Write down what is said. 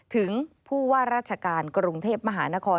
ถึงผู้ว่าราชการกรุงเทพมหานคร